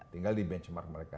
tinggal di benchmark mereka